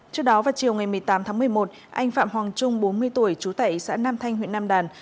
trước đó vào chiều ngày một mươi tám tháng một mươi một anh phạm hoàng trung bốn mươi tuổi trú tại xã nam thanh huyện nam đàn